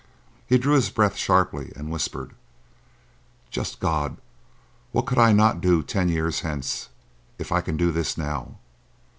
He drew his breath sharply, and whispered, "Just God! what could I not do ten years hence, if I can do this now!